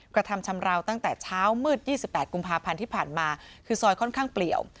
กระทำชำราวตั้งแต่เช้ามืด๒๘กุมภาพันธ์ที่ผ่านมาคือซอยค่อนข้างเปลี่ยว